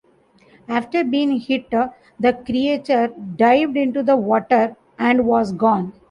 After being hit, the creature dived into the water and was gone.